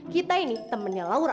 kita ini temennya laura